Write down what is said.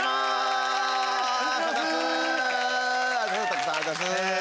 たくさんありがとうございます。